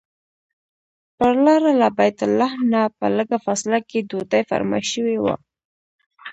پر لاره له بیت لحم نه په لږه فاصله کې ډوډۍ فرمایش شوی و.